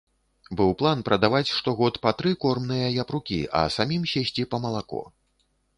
Быў план прадаваць штогод па тры кормныя япрукі, а самім сесці па малако.